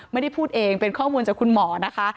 ไม่ได้พูดเองเป็นข้อมูลจากคุณหมอนะคะ